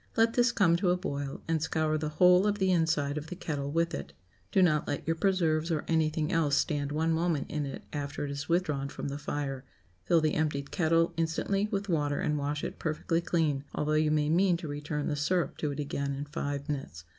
Let this come to a boil, and scour the whole of the inside of the kettle with it. Do not let your preserves or anything else stand one moment in it after it is withdrawn from the fire; fill the emptied kettle instantly with water and wash it perfectly clean, although you may mean to return the syrup to it again in five minutes.